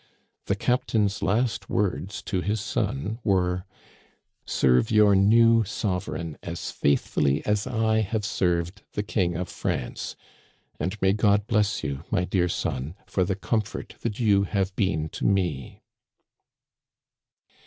The captain's last words to his son were: "Serve your new sovereign as faithfully as I have served the King of France ; and may God bless you, my dear son, for the comfort that you have been to me!"